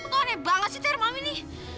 tuh aneh banget sih teriak mama ini